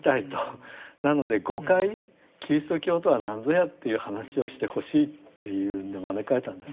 なので５回キリスト教とは何ぞやという話をしてほしいというので招かれたんです。